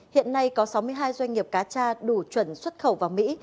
hiện nay có sáu mươi hai doanh nghiệp cá cha đủ chuẩn xuất khẩu vào mỹ